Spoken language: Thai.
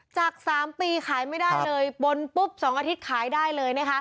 จาก๓ปีขายไม่ได้เลยปนปุ๊บ๒อาทิตย์ขายได้เลยนะคะ